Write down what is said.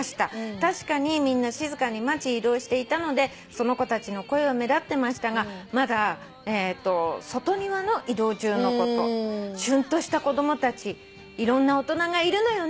「確かにみんな静かに待ち移動していたのでその子たちの声は目立ってましたがまだ外庭の移動中のこと」「しゅんとした子供たち」「いろんな大人がいるのよね」